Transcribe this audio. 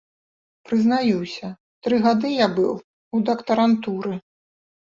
Прызнаюся, тры гады я быў у дактарантуры.